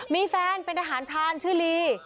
มีแฟนเป็นทหารพรานชื่อลี